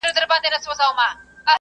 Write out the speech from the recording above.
انسان بايد له بدو خبرو ځان وساتي.